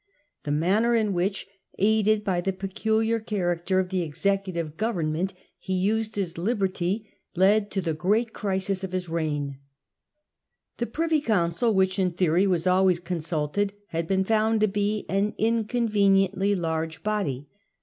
The manner in which, aided by the peculiar character of the executive govern ment, he used his liberty, led to the great crisis of his reign The Privy Council, which in theory was always con sulted, had been found to be an inconveniently large The Cabal body.